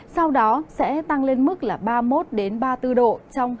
sau đó sẽ tăng lên mức ba mươi một ba mươi bốn độ trong hai ngày tiếp theo khi mưa giảm